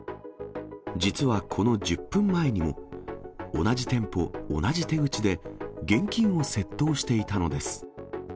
実はこの１０分前にも、同じ店舗、同じ手口で、現金を窃盗していたのです。